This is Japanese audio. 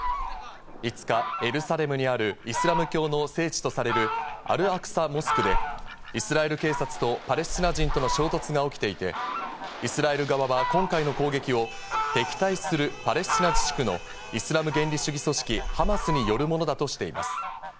５日、エルサレムにあるイスラム教の聖地とされるアルアクサ・モスクでイスラエル警察とパレスチナ人との衝突が起きていて、イスラエル側は今回の攻撃を敵対するパレスチナ自治区のイスラム原理主義組織ハマスによるものだとしています。